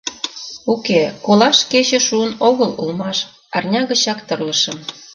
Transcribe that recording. Уке, колаш кече шуын огыл улмаш, арня гычак тырлышым.